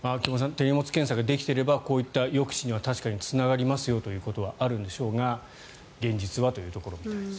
手荷物検査ができていればこういった抑止には確かにつながりますよということはあるんでしょうが現実はというところみたいです。